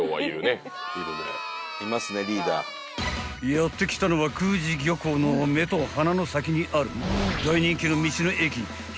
［やって来たのは久慈漁港の目と鼻の先にある大人気の道の駅］